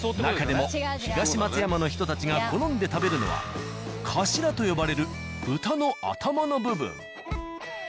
なかでも東松山の人たちが好んで食べるのはカシラと呼ばれる豚のあたまの部分。